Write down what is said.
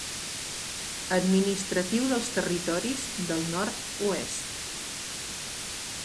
Administratiu dels Territoris del Nord-oest.